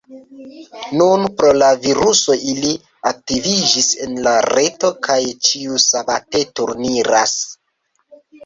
Nun pro la viruso ili aktiviĝis en la reto kaj ĉiusabate turniras.